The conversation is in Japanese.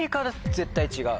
絶対違う。